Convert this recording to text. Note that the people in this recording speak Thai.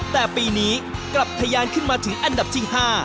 แต่ปีนี้กลับทะยานขึ้นมาถึงอันดับที่๕